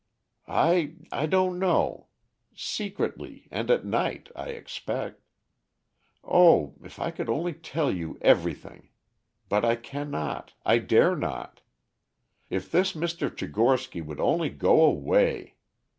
"I I don't know. Secretly and at night, I expect. Oh, if I could only tell you everything! But I cannot, I dare not. If this Mr. Tchigorsky would only go away!